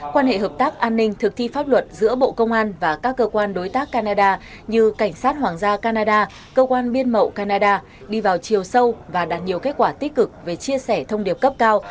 quan hệ hợp tác an ninh thực thi pháp luật giữa bộ công an và các cơ quan đối tác canada như cảnh sát hoàng gia canada cơ quan biên mậu canada đi vào chiều sâu và đạt nhiều kết quả tích cực về chia sẻ thông điệp cấp cao